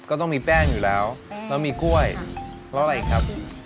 ก็ต้องมีแป้งอยู่แล้วแล้วมีกล้วยเพราะอะไรครับ